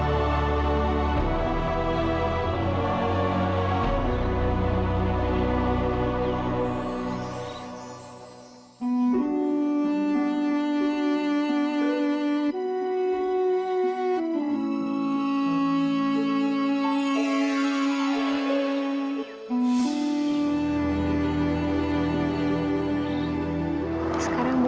kamu takut kehilangan suara kamu